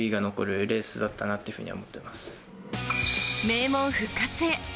名門復活へ。